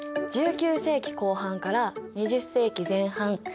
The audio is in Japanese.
１９世紀後半から２０世紀前半